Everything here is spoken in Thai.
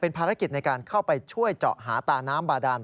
ภารกิจในการเข้าไปช่วยเจาะหาตาน้ำบาดาน